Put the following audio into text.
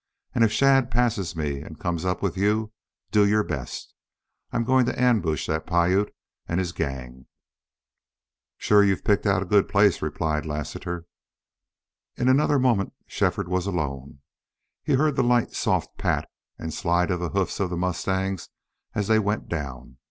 And if Shadd passes me and comes up with you do your best.... I'm going to ambush that Piute and his gang!" "Shore you've picked out a good place," replied Lassiter. In another moment Shefford was alone. He heard the light, soft pat and slide of the hoofs of the mustangs as they went down.